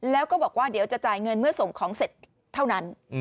แล้วก็บอกว่าเดี๋ยวจะจ่ายเงินเมื่อส่งของเสร็จเท่านั้น